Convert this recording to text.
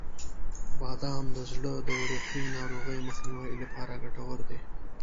• بادام د زړه د عروقی ناروغیو مخنیوي لپاره ګټور دي.